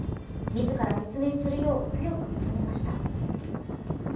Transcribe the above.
自ら説明するよう強く求めました。